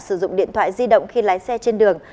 sử dụng điện thoại di động khi lái xe trên đường